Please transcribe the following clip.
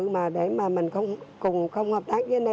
vấn đề đo americana prosperitas